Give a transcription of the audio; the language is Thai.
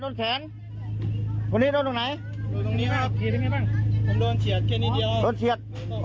ตรงนี้ตรงไหนตรงนี้ครับผมโดนเฉียดแค่นี้เดียว